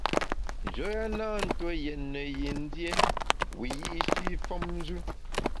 Njoya na ntue yètne yin dié wiyi’shi femnjù.